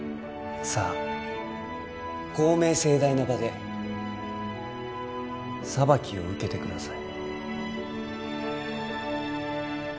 さあ公明正大な場で裁きを受けてください